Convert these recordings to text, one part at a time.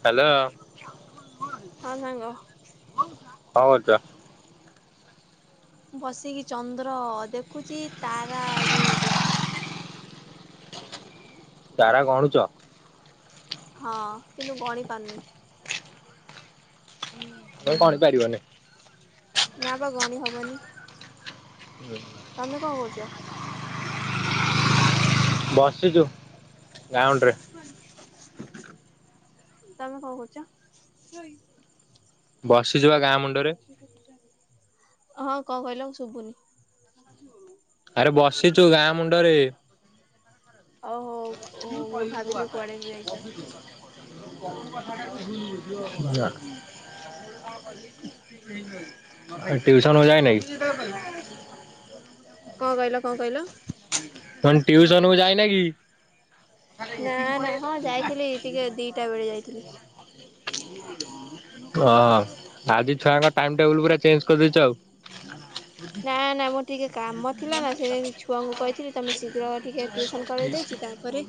Hello କଣ ହଁ ସାଙ୍ଗ କରୁଛ। ବସିକି ଚନ୍ଦ୍ର ଦେଖୁଛି ତାରା ଗିଣୁଛି। ତାରା ଗଣୁଛ। ହଁ କିନ୍ତୁ ଗଣି ପାରୁନି। ତମେ ଗଣି ପାରିବନି। ନା ବା ଗଣି ହବନି। ହୁମ୍। ତମେ କଣ କରୁଛ। ବସିଛୁ ଗାଉଣ୍ଡରେ। ତମେ କଣ କରୁଛ। ବସିଛିବା ଗାଁ ମୁଣ୍ଡରେ। ହଁ କଣ କହିଲ ଶୁବୁନି। [unintelligible] ଆରେ ବସିଛୁ ଗାଁ ମୁଣ୍ଡରେ। ଓୋ ଓହୋ ମୁଁ ଭାବିଲି କୁଆଡେ ବି ଯାଇଛ। [unintelligible] ଟିଉସନ କୁ ଯାଇନା କି? କଣ କହିଲ କଣ କହିଲ। ମୁଁ କହିଲି ଟ୍ୟୁସନ କୁ ଯାଇନା କି? ଆରେ ନା ଏଠିକି ହଁ ପଳେଇଆଇଲା ନା ଯାଇଥିଲି ଟିକେ ଦିଟା ବେଳେ ଯାଇଥିଲି। କଣ? ହ ଆଜି ଛୁଆଙ୍କ ଟାଇମ ଟେବୁଲ ପୁରା ଚେଞ୍ଜ କରିଦେଇଛ ଆଉ। ନା ନା ମୋର ଟିକେ କାମ ଥିଲା ନା ସେ ଛୁଆଙ୍କୁ କହିଥିଲି ତମେ ଶୀଘ୍ର ଟିକେ ଟିଉସନ କରେଇ ଦେଇେଇକି ତାପରେ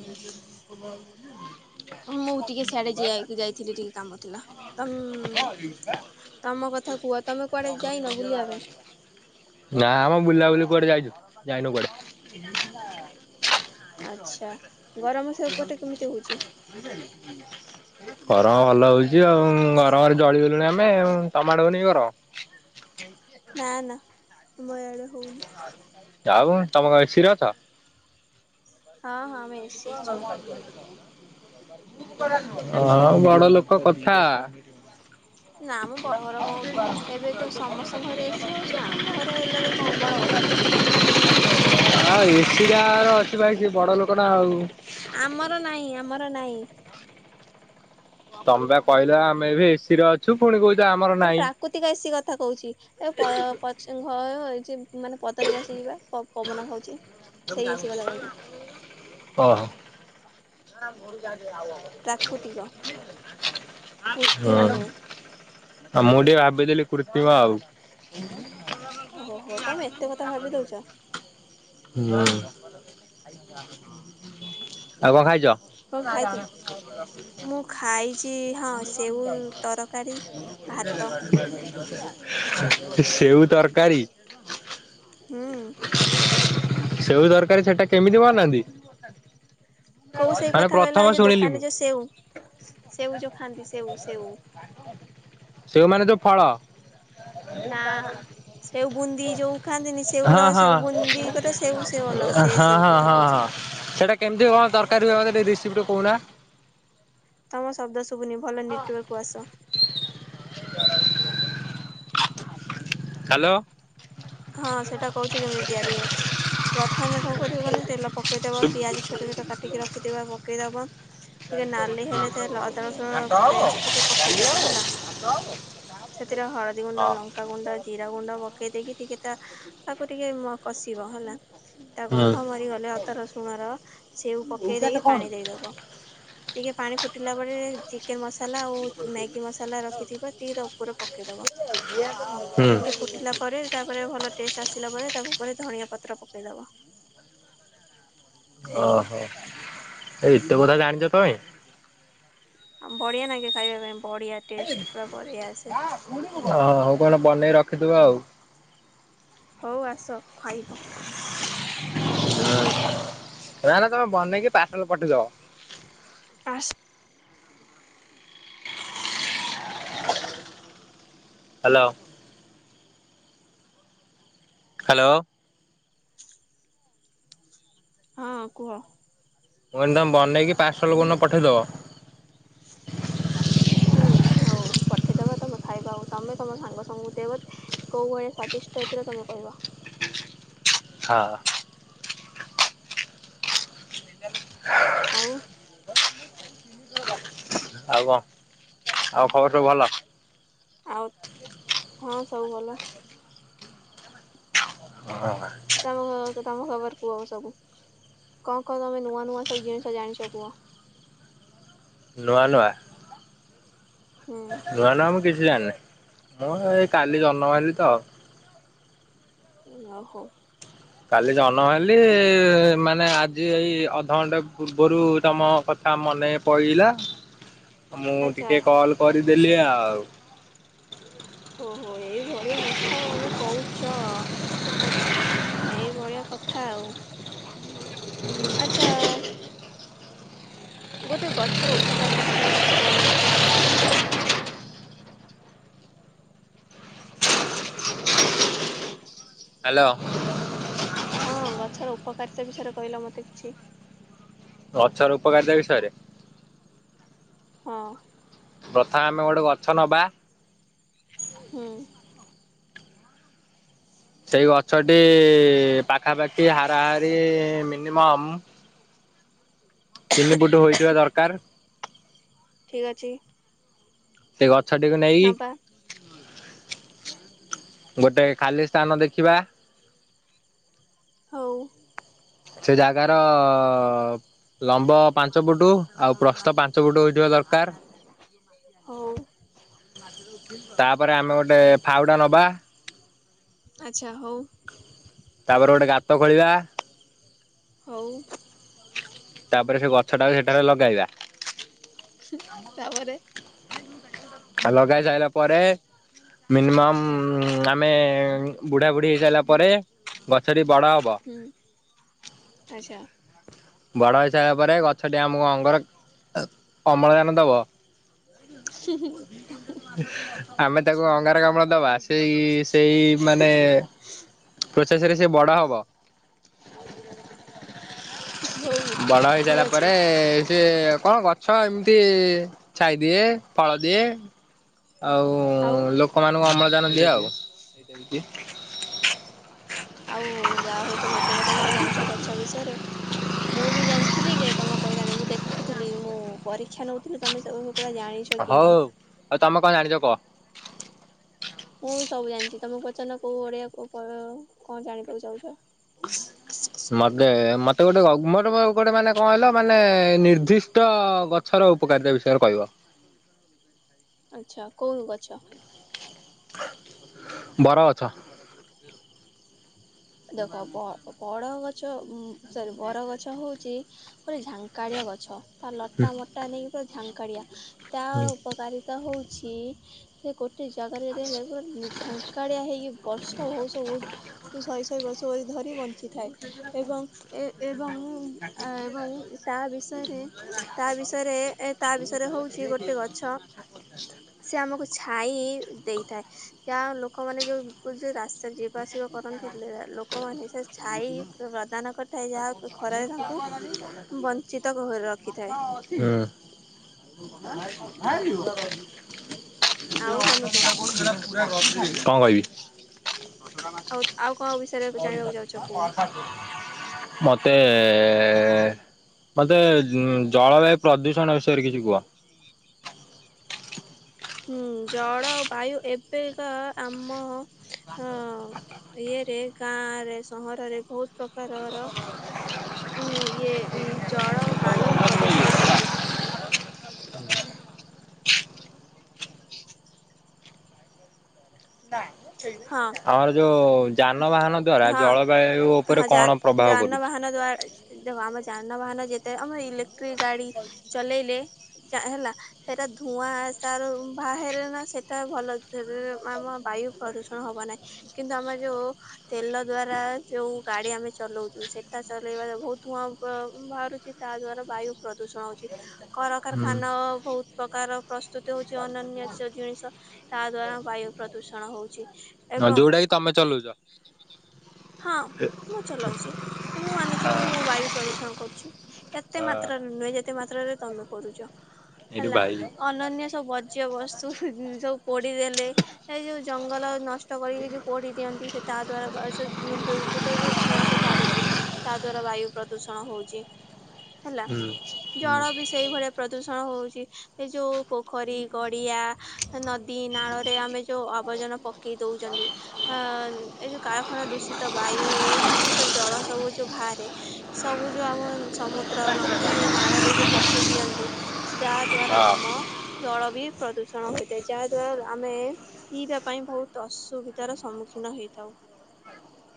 ତ ବା ବଝ ହଁ ମୁଁ ଟିକେ ସିଆଡେ ଜିଆକ ଯାଇଥିଲି ଟିକେ କାମ ଥିଲା। ତମ ତମ କଥା କୁହ ତମେ କୁଆଡେ ଯାଇନ ବୁଲିବା ପାଇଁ। ନା ମ ବୁଲାବୁଲି କୁଆଡେ ଯାଇଛୁ ଯାଇନୁ କୁଆଡେ। ଆଚ୍ଛା ଗରମ ସେପଟେ କେମିତି ହଉଛି? ଗରମ ଭଲ ହଉଛି ଆଉ ଗରମରେ ଜଳିଗଲୁଣି ଆମେ ଆଉ। ତମ ଆଡେ ହଉନି କି ଗରମ? ନା ନା ଆମ ଆଡ଼େ ହଉନି। ଆଉ ତମ କଣ ଏସି ରେ ଅଛ। ହଁ ହଁ। ଆମେ ଏସି ଛୁଆ। ହଁ ବଡ଼ଲୋକ କଥା। ନା ମ ବଡ ଘର କୋଉଠି ଏବେ ତ ସମସ୍ତଙ୍କ ଘରେ ଏସି ହଉଛି ଆମ ଘରେ ହେଲା ତ କଣ ବଡ କଥା। ଆଉ ଏସି ଯାହାର ଅଛି ଭାଇ ସିଏ ବଡ ଲୋକ ନା ଆଉ। ଆମର ନାହିଁ ଆମର ଆ ନାହିଁ। ତମେ ପା କହିଲ ଆମେ ଏବେ ଏ ସି ଅଛୁ ପୁଣି କହୁଚ ଆମର ମୁଁ ନାହିଁ। ପ୍ରାକୃତିକ ଏ ସି କଥା କହୁଚି। ଏଇ ପ ଅ ପଚ୍ ଘର ହେଇଚି ମାନେ ପଦାରେ ବସିଚି ବା ପବନ ଖାଉଚି। ଓହୋ। ପ୍ରାକୃତିକ ହଁ କୃତ୍ରିମ ନୁହେଁ। ଆଉ ମୁଁ ଟିକେ ଭାବିଥିଲି କୃତ୍ରିମ ଆଉ। ଓହୋ ହୋ ତମେ ଏତେ କଥା ଭାବି ଦଉଚ? ନୁ ଆଉ କଣ ଖାଇଚ? କଣ ଖାଇଥିଲୁ। ମୁଁ ଖାଇଚି ହଁ ସେଉ ତରକାରୀ। ଭାତ। ସେଉ ତରକାରୀ? ହୁଁ। ସେଉ ଦରକାର ସେଟା କେମିତି ବନାନ୍ତି? କୋଉ ସେଉ ମାନେ କଥା ପ୍ରଥମ କହିଲ ଏଇ ଯୋଉ ଶୁଣିଲି ମୁଁ ଦୋକାନରେ ସେଉ ସେଉ ଯୋଉ ଖାଆନ୍ତି ସେଉ ସେଉ। [inaudible] ସେଉମାନେ ଯୋଉ ଫଳ। ନା ସେଉ ବୁନ୍ଦି ଯୋଉ ଖାଆନ୍ତିନି ସେଉ ର ସେ ବୁନ୍ଦି ଗୋଟେ ସ୍ ଆ ହଁ ହଁ ହଁ ହଁ ସେଇଟା କେମିତି କଣ ତରକାରୀ ହୁଏ ମତେ ଟିଏ ରେସିପ୍ ଟିକେ କହୁନା? ତମ ଶବ୍ଦ ଶୁଭୁନି ଭଲ ନେଟୱାର୍କୁ ଆସ। ହ୍ୟାଲୋ। ହଁ ସେଇଟା କହୁଚି କେମିତି ତିଆରି ହୁଏ। ପ୍ରଥମେ କଣ କରିବୁ ମାନେ ତେଲ ପକ୍ ପକେଇଦବା। ପିଆଜ ଛୋଟ ଛୋଟ କାଟିକି ରଖିଥିବ ପକେଇଦବ। ଟିକେ ନାଲି ହେଲେ ତେଲ ଅଦା ରସୁଣ ହଁ ପେଷ୍ଟ ଟିକେ ପକେଇଦବା ହେଲା। ସେଥିରେ ହଳଦୀ ଗୁଣ୍ଡ, ଲଙ୍କାଗୁଣ୍ଡ, ଜିରା ଗୁଣ୍ଡ, ପକେଇ ଦେଇକି ଟିକେ ତା ତାକୁ ଟିକେ ମ କଷିବ ହେଲା। ତା ଗନ୍ଧ ମରିଗଲେ ଅଦା ରସୁଣର ସେଉ ପକେଇ ଦେଇକି ହୁଁ। ପାଣି ଦେଇଦବ। ଟିକେ ପାଣି ଫୁଟିଲା ବେଳେ ଚିକେନ ମସଲା ଆଉ ମ୍ୟାଗି ମସଲା ରଖିଥିବା ଟିକେ ତ ଉପରେ ପକେଇଦବ। ହୁଁ ଟିକେ ଫୁଟିଲାପ ପରେ ତା ପରେ ଭଲ ଟେଷ୍ଟ ଆସିଲା ପରେ ତା ଉପରେ ଧଣିଆ ପତ୍ର ପକେଇଦବ। ହେଇଗଲା ଓହୋ ଏତେ କଥା ଜାଣିଚ ତମେ? ଆ ବଢିଆ ନାଗେ ଖାଇବା ପାଇଁ ବଢିଆ। ହଁ ହ ହଉ ଆପଣ ବନେଇ ରଖିଥିବ ଆଉ। ହଉ ଆସ ଖାଇବ। ନା ନା ତମେ ବନେଇକି ପାର୍ସଲ ପଠେଇଦବ। Pass hello. ହ୍ୟାଲୋ। ହଁ କୁହ। ମୁଁ କହିଲି ତମେ ବନେଇକି ପାର୍ସଲ କୋଉନ ପଠେଇଦବ। [inaudible] ହୁଁ ହଉ ପଠେଇଦବା ତମେ ଖାଇବା ଆଉ। ତମେ ତମ ସାଙ୍ଗ ସମୁଁକୁ ଦେବ। କୋଉ ଭଳିଆ ସ୍ଵାଦିଷ୍ଟ ହେଇଥିଲା ତମେ କହିବ। ହଁ। ଆଉ ଆଉ କଣ ଆଉ ଖବର ସବୁ ଭଲ? ଆଉ ହଁ ସବୁ ଭଲ। ହଁ ଆଁ। ତମ ତମ ଖବର କୁହ ସବୁ କଣ କଣ ତମେ ନୂଆ ନୂଆ ସବୁ ଜିନିଷ ଜାଣିଛ କୁହ? ନୂଆ ନୂଆ ହୁଁ ନୂଆ ନୂଆ କିଛି ଜାଣିନିଁ ମୁଁ ଏଇ କାଲି ଜନ୍ମ ହେଲି ତ ଆଉ। ଇଁ ଆଉ ହଉ। କାଲି ଜନ୍ମ ହେଲି ମାନେ ଆଜି ଏଇ ଅ ଅଧଘଣ୍ଟା ପୂର୍ବରୁ ତମ କଥା ମନେ ପଇଲା ଅ ମୁଁ ଆଚ୍ଛା ଟିକେ କଲ୍। କରିଦେଲି ଆଉ। ଓହୋ ଏଇ ବଢିଆ କଥା ତମେ କହୁଛ। ଏଇଭଳିଆ କଥା ଆଉ ଆଚ୍ଛା। ଗୋଟେ ଗଛର ଉପକାରିତା ବିଷୟରେ ମୋତେ କୁହନି କିଛି? ହାଲୋ। ହଁ ଗଛର ଉପକାରିତା ବିଷୟରେ କହିଲ ମୋତେ କିଛି। ଗଛ ର ଉପକାରିତା ବିଷୟ ରେ। ହଁ। ପ୍ରଥମେ ଆମେ ଗୋଟେ ଗଛ ନବା। ହୁଁ। ସେଇ ଗଛଟି ପାଖାପାଖି ହାରାହାରି ମିନିମମ୍। ତିନିଫୁଟୁ ହୋଇଥିବା ଦରକାର। ଠିକ ଅଛି। ସେ ଗଛଟିକୁ ନବା ନେଇକି। ଗୋଟେ ଖାଲି ସ୍ଥାନ ଦେଖିବା। ହଉ। ସେ ଜାଗାର। ଲମ୍ବ ପାଞ୍ଚ ଫୁଟୁ ଆଉ ପ୍ରସ୍ଥ ପାଞ୍ଚ ଫୁଟୁ ହୋଇଥିବା ଦରକାର। ହଉ ତାପରେ ଆମେ ଗୋଟେ ଫାଉଡା ନବା। ଆଚ୍ଛା ହଉ। ତାପରେ ଗୋଟେ ଗାତ ଖୋଳିବା। ହଉ। ତାପରେ ସେ ଗଛଟାକୁ ସେଠାରେ ଲଗାଇବା। ତାପରେ। ଆଉ ଲଗାଇ ସାଈଲା ପରେ। ମିନିମମ୍ ଉଁ ଆମେ ବୁଢା ବୁଢ଼ୀ ହେଇସାରିଲା ପରେ। ଗଛ ଟି ବଡ ହବ। ହୁଁ ଆଚ୍ଛା। ବଡ଼ ହେଇସାରିଲା ପରେ ଗଛଟି ଆମକୁ ଅଙ୍ଗାର ଅମ୍ଳଜାନ ଦବ। ହୁଁ ହୁଁ। ଆମେ ତାକୁ ଅଙ୍ଗାର କାମ୍ଳ ଦବା ସେଇ ସେଇ ମାନେ। ପ୍ରୋସେସ ରେ ସେ ବଡ ହବ। ହଉ ବଡ଼ ଠିକ୍ ହେଇସାରିଲା ଅଛି ପରେ। ସିଏ କଣ ଗଛ ଏମିତି ଛାଇ ଦିଏ ଫଳ ଦିଏ। ଆଉଁ ଆଉ ଲୋକମାନଙ୍କୁ ଅମ୍ଳଜାନ ଦିଏ ଆଉ। ଆଉ ଯାହା ହଉ ତମେ ଏତେ କଥା ସବୁ ଜାଣିଛ ଗଛ ବିଷୟରେ। ମୁଁ ବି ଜାଣିଥିଲି ଯେ ତମକୁ କହିଥାନ୍ତି ମୁଁ ଦେଖୁଥିଲି ମୁଁ ପରୀକ୍ଷା ନଉଥିଲି ତମେ ସବୁ ପୁରା ଜାଣି ହଉ ଆଉ ତମେ କଣ ଜାଣିଛ କୁହ। ମୁଁ ବି ସବୁ ଜାଣିଛି ତମେ ପଚାରୁନ କୋଉ ଭଳିଆ କୋଉ ପ କଣ ଜାଣିବାକୁ ଚାହୁଛ। ମତେ ମତେ ଗୋଟେ ଗ ମୋର ଗୋ-ଗୋଟେ ମାନେ କଣ କହିଲ ମାନେ ନିର୍ଦ୍ଧି ଟ ଗଛର ଉପକାରିତା ବିଷୟରେ କହିବ। ଆଚ୍ଛା କୋଉ ଗଛ? ବର ଗଛ - ଦେଖ ବ ବଡ ଗଛ ଉଁ ସରି ବର ଗଛ ହଉଛି। ଗୋଟେ ଝାଙ୍କାଳିଆ ଗଛ ତା ଲଟା ମଟା ନେଇକି ପୁରା ଝାଙ୍କାଳିଆ। ତା‌ ହୁଁ। ଉପକାରିତା ହଉଛି ସେ ଗୋଟେ ଜାଗାରେ ଉଁ ଝାଙ୍କା ଝାଙ୍କାଳିଆ ହୋଇକି ବର୍ଷ ବହୁଷ ବହୁତ ଶହେ ଶହେ ବର୍ଷ ଧରି ବଞ୍ଚିଥାଏ ଏବଂ ଏ ଏବଂ ଏବଂ ତା ବିଷୟରେ ତା ବିଷୟରେ ତା ବିଷୟରେ ହଉଛି ଗୋଟେ ଗଛ ସେ ଆମକୁ ଛାଇ ଦେଇଥାଏ ଯାହା ଲୋକମାନେ ଯୋଉ ଯ ରାସ୍ତା ଯିବା ଆସିବା କରନ୍ତି। ଏ ଲୋକମାନେ ସେ ଛାଇ ପ୍ରଦାନ କରିଥାଏ ଯାହାକୁ ଖରାରେ ତାଙ୍କୁ ବଞ୍ଚିତ ଘରେ ରଖିଥାଏ। ହୁଁ। [unintelligible] ଆଉ ତମେ କୁହ କଣ କହିବି। [unintelligible] ଆଉ ଆଉ କଣ ବିଷୟରେ ଜାଣିବାକୁ ଯାଉଛ କୁହ? ମୋତେ ମତେ ଉ ଜଳବାୟୁ ପ୍ରଦୂଷଣ ବିଷୟରେ କିଛି କୁହ? ହୁଁ ଜଳ ବାୟୁ ଏବେକା ଆମ ଅ ଏ ରେ କା ଗାଁ ରେ ସହରରେ ବହୁତ ପ୍ରକାରର ଉଁ ଇଏ ଉଁ ଜଳ ବାୟୁ ପ୍ରଦୂଷଣ ହୋଉଛି। [unintelligible] ନାଇଁ ମ ସେଇ ହଁ ଦ୍ଵାରା ହଁ ଜଳବାୟୁ ଉପରେ ହଁ ଯା କଣ ପ୍ରଭାବ ପଡୁଛି? ଯାନବାହାନ ଦ୍ଵାରା ଦେଖ ଆମ ଯାନବାହାନ ଯେତେ ଆମର ଇଲେକ୍ଟ୍ରିକ ଗାଡ଼ି ଚଲେଇଲେ ହେଲା ସେଇଟା ଧୂଆଁ ତାର ବାହାରେନା ସେଇଟା ଭଲ ଚଲେଇ ଆମ ବାୟୁ ପ୍ରଦୂଷଣ ହବ ନାହିଁ କିନ୍ତୁ ଆମର ଯୋଉ ତେଲ ଦ୍ଵାରା ଯୋଉ ଗାଡି ଆମେ ଚଲଉଛୁ ସେଟା ଚଲେଇବା ବହୁତ ଧୂଆଁ ବ ବାହାରୁଛି ତା ଦ୍ଵାରା ବାୟୁ ପ୍ରଦୂଷଣ ହଉଛି। କଳକାରଖାନା ହୁଁ ବହୁତ ପ୍ରକାର ପ୍ରସ୍ତୁତି ହଉଛି ଅନନ୍ୟ ସ ଜିନିଷ ତା ଦ୍ଵାରା ବାୟୁ ପ୍ରଦୂଷଣ ହୋଉଛି। ହଁ ଯୋଉଟା କି ତମେ ଚଲଉଛ? ହଁ ମୁଁ ଚଲଉଛି କିନ୍ତୁ ମୁଁ ମାନୁଛି ମୁଁ ବାୟୁ ପ୍ରଦୂଷଣ କରୁଛି। ଏତେ ମାତ୍ରାରେ ନୁହେଁ ଯେତେ ମାତ୍ରାରେ ତମେ କରୁଛ ଏଇଠି ହେଲା ଭାଇ ହୁଁ ଅ ଅନନ୍ୟ ସବୁ ବର୍ଜ୍ୟବସ୍ତୁ ସବୁ ପୋଡ଼ିଦେଲେ ଏ ଯୋଉ ଜଙ୍ଗଲ ନଷ୍ଟ। ନଷ୍ଟ କରିକି ଯୋଉଁ ପୋଡି ଦିଅନ୍ତି ସେ ତା ଦ୍ଵାରା ସେ ଦୁର୍ଗୀତ ଯୋଉଁ ଧୂଆଁ ସବୁବାହାରୁଛି। ତା ଦ୍ଵାରା ବାୟୁ ପ୍ରଦୂଷଣ ହଉଛି। ହେଲା ହୁଁ ଜଳ ବି ସେଇଭଳିଆ ପ୍ରଦୂଷଣ ହଉଛି ଏ ଯୋଉ ପୋ ପୋଖରୀ ଗଡ଼ିଆ ନଦୀ ନାଳରେ ଆମେ ଯେଉଁ ଆବର୍ଜନା ପକେଇ ଦଉଛନ୍ତି। ଅଁ ଏଇ ଯୋଉ କାରଖାନା ଦୂଷିତ ବାୟୁ ଦୂଷିତ ଜଳ ସବୁ ଯୋଉ ବାହାରେ ସବୁ ଯୋଉ ଆମ ସମୁଦ୍ର ନଦୀ ନାଳରେ ଯୋଉଁ ପକାଇ ଦିଅନ୍ତି ତା ଦ୍ୱାରା ଆମ ହଁ ଜଳ ବି ପ୍ରଦୂଷଣ ହୋଇଥାଏ ଯାହାଦ୍ୱାରା ଆମେ ପିଇବା ପାଇଁ ବହୁତ ଅସୁବିଧାର ସମ୍ମୁଖୀନ ହେଥାଉ।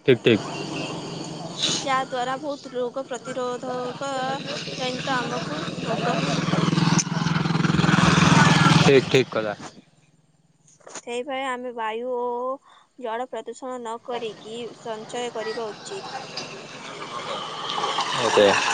ଠିକ୍ ଠିକ୍। ଠିକି ଠିକି ଯାହା ଦ୍ୱାରା ବହୁତ ରୋଗ ପ୍ରତିରୋଧକ ଜନିତ ଆମକୁ ରୋଗ ହୋଇଥାଏ। ଠିକ୍ ଠିକ୍ କଥା। ସେହିପାଇ ଆମେ ବାୟୁ ଓ ଜଳ ପ୍ରଦୂଷଣ ନକରି କି ସଞ୍ଚୟ କରିବା ଉଚିତ୍ [unintelligible]